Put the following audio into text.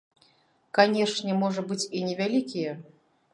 Канешне, можа быць, і невялікія.